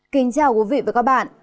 kính chào quý vị và các bạn